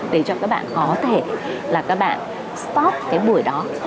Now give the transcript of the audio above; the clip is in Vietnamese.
để cho các bạn có thể là các bạn stop cái buổi đó